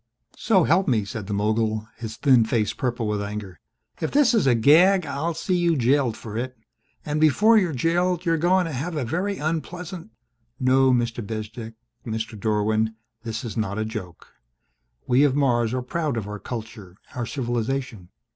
"So help me," said the mogul, his thin face purple with anger, "if this is a gag I'll see you jailed for it! And before you're jailed you're going to have a very unpleas " "No, Mr. Bezdek Mr. Dorwin this is not a joke. We of Mars are proud of our culture, our civilization.